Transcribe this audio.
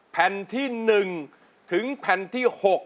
แผ่นที่๑ถึงแผ่นที่๖